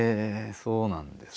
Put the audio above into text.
そうなんですか。